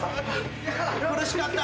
苦しかった。